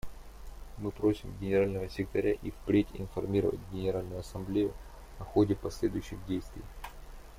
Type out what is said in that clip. Мы просим Генерального секретаря и впредь информировать Генеральную Ассамблею о ходе последующих действий.